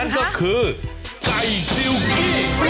นั่นก็คือไก่ซิลกี้